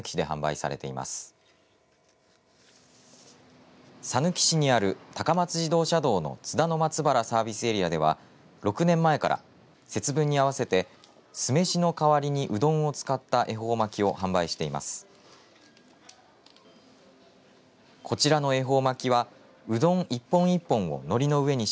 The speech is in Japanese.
さぬき市にある高松自動車道の津田の松原サービスエリアでは６年前から、節分に合わせて酢飯の代わりにうどんを使った恵方巻きを販売しています。